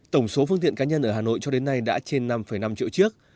tổng số phương tiện cá nhân ở hà nội cho đến nay đã trên năm năm triệu chiếc